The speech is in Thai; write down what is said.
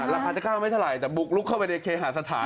ราคาจะเข้าไม่เท่าไหร่แต่บุกลุกเข้าไปในเคหาสถาน